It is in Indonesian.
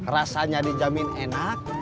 rasanya dijamin enak